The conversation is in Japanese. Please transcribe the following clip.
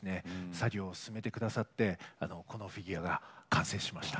作業を進めてくださってこのフィギュアが完成しました。